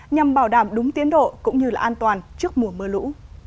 nhằm bảo đảm đúng tiến độ cũng như an toàn trước mùa mưa lũ